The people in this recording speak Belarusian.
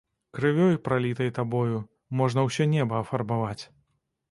Крывёй, пралітай табою, можна ўсё неба афарбаваць.